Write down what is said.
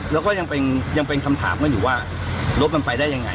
แล้วก็ยังเป็นคำถามกันอยู่ว่ารถมันไปได้ยังไง